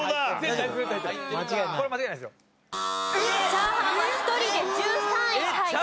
チャーハンは１人で１３位タイです。